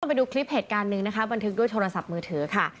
ไปดูคลิปเหตุการณ์หนึ่งนะคะบันทึกด้วยโทรศัพท์มือถือค่ะ